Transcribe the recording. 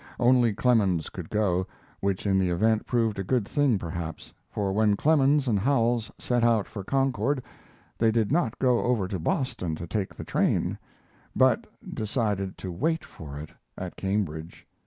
Only Clemens could go, which in the event proved a good thing perhaps; for when Clemens and Howells set out for Concord they did not go over to Boston to take the train, but decided to wait for it at Cambridge.